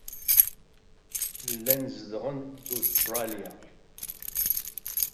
Llan zedɣen deg Ustṛalya.